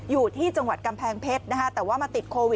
อยู่ที่จังหวัดกำแพงเพชรนะคะ